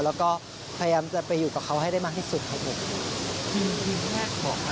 แล้วก็พยายามจะไปอยู่กับเขาให้ได้มากที่สุดครับผม